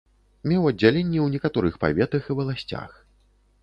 Меў аддзяленні ў некаторых паветах і валасцях.